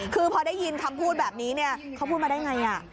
คือพอได้ยินคำพูดแบบนี้เขาพูดมาได้ไง